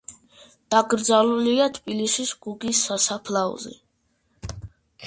დაკრძალულია თბილისის კუკიის სასაფლაოზე.